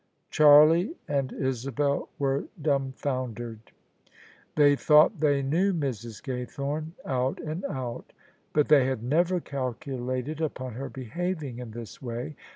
Charlie and Isabel were dumbfoundered. They thought they knew Mrs. Gaythorne out and out : but they had never calculated upon her behaving in this way.